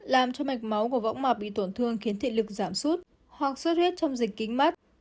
làm cho mạch máu của võng mọc bị tổn thương khiến thị lực giảm sút hoặc sốt huyết trong dịch kính mắt